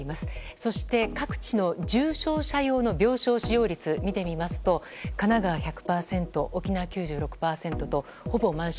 そして各地の重症者用の病床使用率を見てみますと、神奈川が１００％沖縄９６％とほぼ満床。